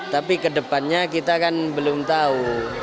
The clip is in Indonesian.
tapi ke depannya kita kan belum tahu